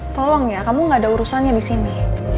tolong ya kamu gak ada urusannya di sini